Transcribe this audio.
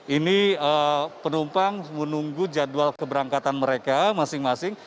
ini penumpang menunggu jadwal keberangkatan mereka masing masing